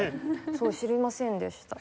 知りませんでした。